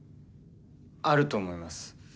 あると思います。